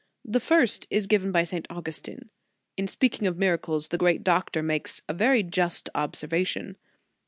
The first is given by St. Augustin. In speaking of miracles, the great doctor makes a very just observation.